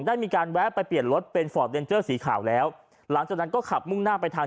ได้มีการแวะไปเปลี่ยนรถเป็นฟอร์ดเดนเจอร์สีขาวแล้วหลังจากนั้นก็ขับมุ่งหน้าไปทาง